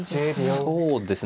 そうですね。